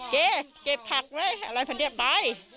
เก๊เก็บผักไว้อะไรพอเนี่ยไป